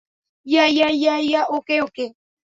Yeah, yeah, yeah, okay, okay.